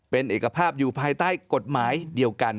เป็นเอกภาพอยู่ภายใต้กฎหมายเดียวกัน